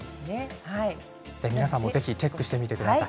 皆さんもぜひチェックしてみてください。